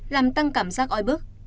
làm tăng cảm giác oi bức